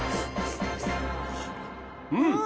うん。